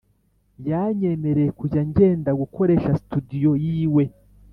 Yanyemereye kujya ngenda gukoresha studio yiwe